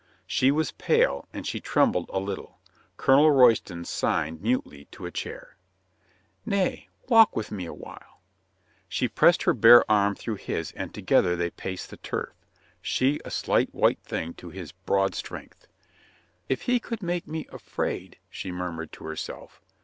She was pale, and she trembled a little. Colonel Royston signed mutely to a chair. "Nay, walk with me a while." She passed her bare arm through his, and together they paced the turf, she a slight, white thing to his broad 120 COLONEL GREATHEART strength. "If he could make me afraid," she mur mured to herself.